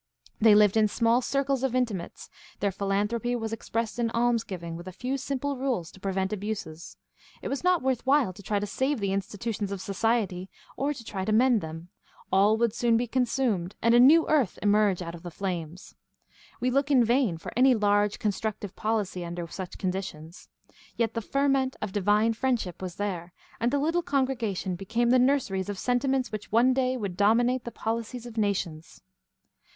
They lived in small circles of intimates; their philan thropy was expressed in alms giving, with a few simple rules to prevent abuses. It was not worth while to try to save the institutions of society or to try to mend them; all would soon be consumed, and a new earth emerge out of the flames. We look in vain for any large constructive policy under such conditions. Yet the ferment of divine friendship was there, and the little congregations became the nurseries of senti ments which one day would dominate the policies of nations.